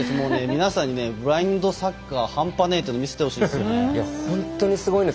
皆さんにブラインドサッカー半端ねえというのを本当にすごいんです。